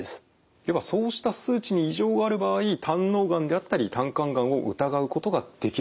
ではそうした数値に異常がある場合胆のうがんであったり胆管がんを疑うことができるということですか？